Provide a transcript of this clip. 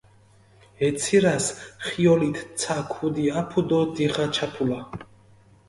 ე ცირასჷ ხიოლით ცა ქუდი აფუ დო დიხა ჩაფულა.